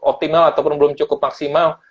optimal ataupun belum cukup maksimal